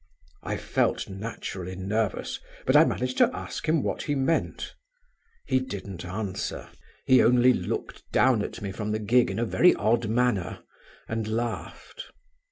I felt naturally nervous, but I managed to ask him what he meant. He didn't answer; he only looked down at me from the gig in a very odd manner, and laughed.